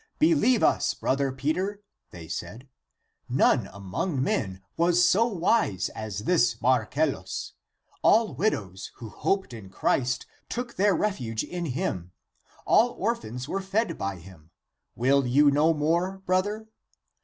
" Believe us, brother Peter "' they said, " none among men was so wise as this Mar cellus. All widows, who hoped in Christ, took their refuge in him; all orphans were fed by him. Will you know more, brother